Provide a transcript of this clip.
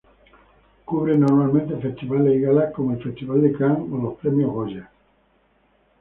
Cubre normalmente festivales y galas como el Festival de Cannes o los Premios Goya.